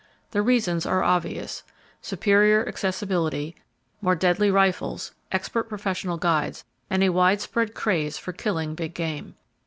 The reasons are obvious:—superior accessibility, more deadly rifles, expert professional guides, and a widespread craze for killing big game.